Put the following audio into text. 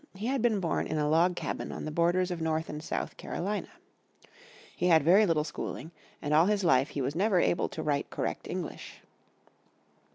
He had been born in a log cabin on the borders of North and South Carolina. He had very little schooling, and all his life he was never able to write correct English.